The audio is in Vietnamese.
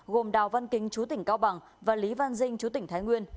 gồm đào văn kính chú tỉnh cao bằng và lý văn dinh chú tỉnh thái nguyên